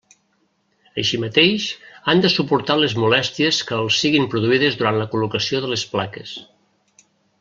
Així mateix, han de suportar les molèsties que els siguin produïdes durant la col·locació de les plaques.